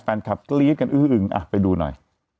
แฟนคลับกรี๊ดกันอื้ออึงอ่ะไปดูหน่อย